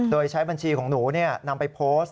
โดยใช้บัญชีของหนูนำไปโพสต์